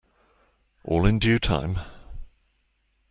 All in due time.